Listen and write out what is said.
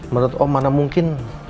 menurut om mana mungkin